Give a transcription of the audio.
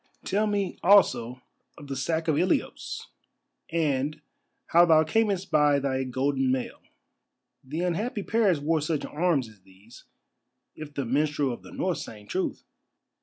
Tell me also of the sack of Ilios, and how thou camest by thy golden mail. The unhappy Paris wore such arms as these, if the minstrel of the North sang truth."